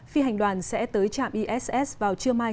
phi hành đoàn sẽ tới trạm iss vào trưa mai